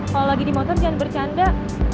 kalau lagi di motor jangan bercanda